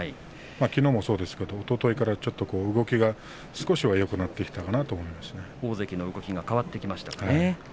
きのうもそうですけどおとといから動きが少しは大関の動きが変わってきましたね。